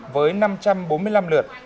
với năm trăm bốn mươi năm lượt